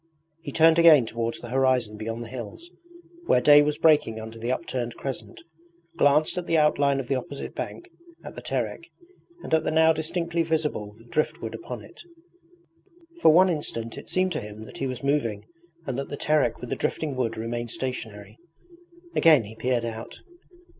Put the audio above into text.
He turned again towards the horizon beyond the hills, where day was breaking under the upturned crescent, glanced at the outline of the opposite bank, at the Terek, and at the now distinctly visible driftwood upon it. For one instant it seemed to him that he was moving and that the Terek with the drifting wood remained stationary. Again he peered out.